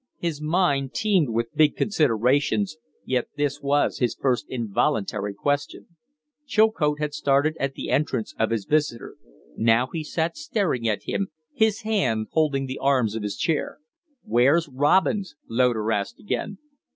His mind teemed with big considerations, yet this was his first involuntary question. Chilcote had started at the entrance of his visitor; now he sat staring at him, his hands holding the arms of his chair. "Where's Robins?" Loder asked again.